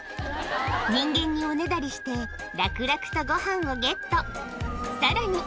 人間におねだりして、楽々とごはんをゲット。